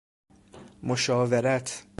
مشاورت